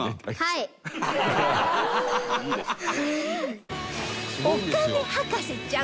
いいですね。